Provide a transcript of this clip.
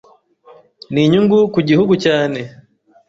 ni Inyungu ku gihugu cyane